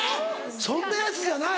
そんなヤツじゃない。